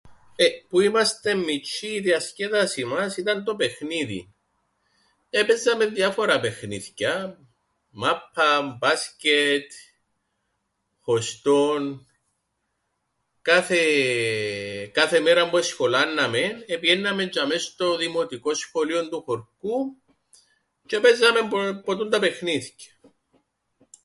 Ε.. που ήμαστεν μιτσ̆ιοί η διασκέδαση μας ήταν το παιχνίδιν. Επαίζαμεν διάφορα παιχνίθκια, μάππαν, μπάσκετ, χωστόν, κάθε- κάθε μέρα που εσχολάνναμεν επηαίνναμεν τζ̆ειαμαί στο δημοτικόν σχολείον του χωρκού τζ̆αι επαίζαμεν ποτούντα παιχνίθκια.